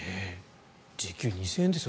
時給２０００円ですよ。